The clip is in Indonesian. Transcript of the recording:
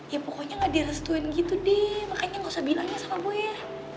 ya pokoknya gak direstuin gitu deh makanya gak usah bilangnya sama boy ya